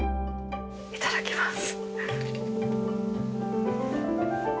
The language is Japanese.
いただきます。